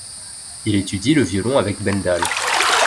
Il étudie le violon avec Bendal.